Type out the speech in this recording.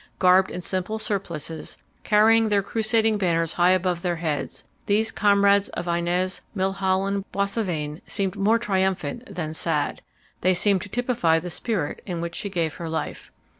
Garbed in simple surplices, carrying their crusading banners high above their heads, these comrades of Inez Milholland Boissevain seemed more triumphant than sad. They seemed to typify the spirit in which she gave her life.